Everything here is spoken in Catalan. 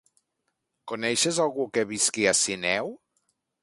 Coneixes algú que visqui a Sineu?